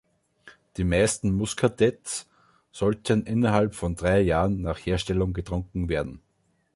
Die meisten Muscadets sollten innerhalb von drei Jahren nach Herstellung getrunken werden.